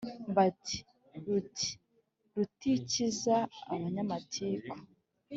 Bati :Ruti rutikiza abanyamatiku